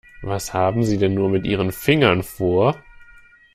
Was haben Sie nur mit Ihren Fingern vor?